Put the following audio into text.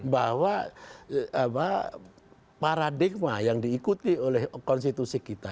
bahwa paradigma yang diikuti oleh konstitusi kita